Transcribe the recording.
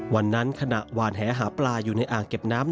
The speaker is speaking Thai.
วันนั้นขณะหวานแหหาปลาอยู่ในอ่างเก็บน้ำ